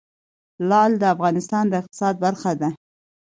لعل د افغانستان د اقتصاد برخه ده.